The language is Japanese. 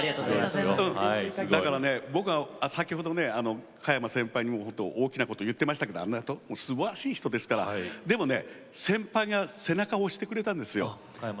だから僕は先ほど、加山先輩に大きなことを言っていましたけどすばらしい人ですからでも先輩が背中を押してくれたんですよ。